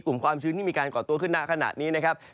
ความชื้นที่มีการก่อตัวขึ้นหน้าขณะนี้นะครับ